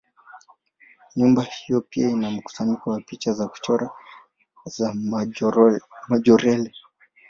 Nyumba hiyo pia ina mkusanyiko wa picha za kuchora za Majorelle.